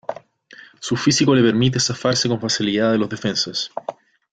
Su físico le permite zafarse con facilidad de los defensas.